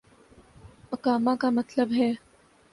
اقامہ کا مطلب ہے۔